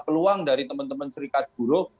peluang dari teman teman serikat buruh